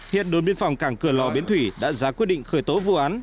hiện đồn biên phòng cảng cửa lò biến thủy đã ra quyết định khởi tố vô án